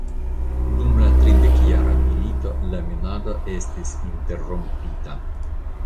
Dum la tridekjara milito la minado estis interrompita.